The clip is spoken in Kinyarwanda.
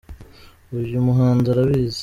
Uyu muhanzi arabizi